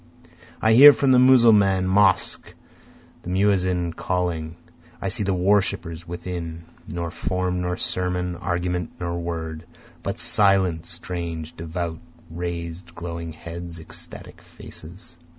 I hear from the Mussulman mosque the muezzin calling, I see the worshippers within, nor form nor sermon, argument nor word, But silent, strange, devout, rais'd, glowing heads, ecstatic faces.